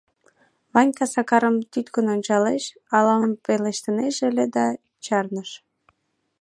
Ванька Сакарым тӱткын ончалеш, ала-мом пелештынеже ыле да чарныш.